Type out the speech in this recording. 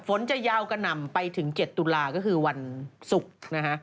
จะยาวกระหน่ำไปถึง๗ตุลาก็คือวันศุกร์นะฮะ